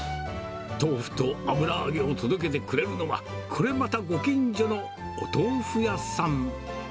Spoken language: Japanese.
豆腐と油揚げを届けてくれるのは、これまたご近所のお豆腐屋さん。